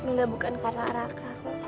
mungkin bukan karena raka kok